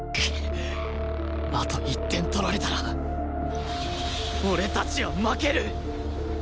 あと１点取られたら俺たちは負ける！